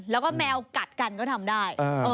แล้วก็แมวกัดกันก็ทำได้